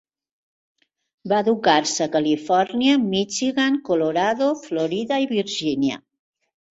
Va educar-se a Califòrnia, Michigan, Colorado, Florida i Virgínia.